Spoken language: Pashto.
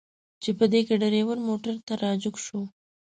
چې په دې کې ډریور موټر ته را جګ شو.